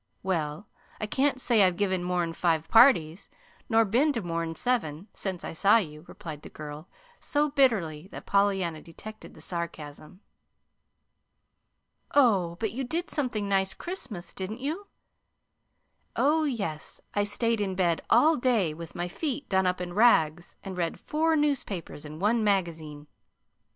"Well, I can't say I've given more'n five parties, nor been to more'n seven, since I saw you," replied the girl so bitterly that Pollyanna detected the sarcasm. "Oh, but you did something nice Christmas, didn't you?" "Oh, yes. I stayed in bed all day with my feet done up in rags and read four newspapers and one magazine.